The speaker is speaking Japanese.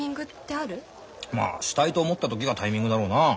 まあしたいと思った時がタイミングだろうなあ。